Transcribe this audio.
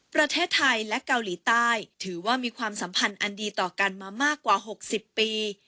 ประเทศไทยและเกาหลีใต้ถือว่ามีความสัมพันธ์อันดีต่อกันมามากกว่า๖๐ปี